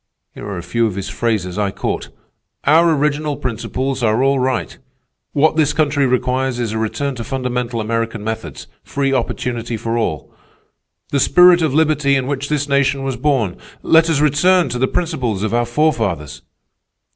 Here are a few of his phrases I caught: 'Our original principles are all right,' 'What this country requires is a return to fundamental American methods—free opportunity for all,' 'The spirit of liberty in which this nation was born,' 'Let us return to the principles of our forefathers.